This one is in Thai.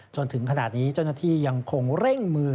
จนถึงขณะนี้เจ้าหน้าที่ยังคงเร่งมือ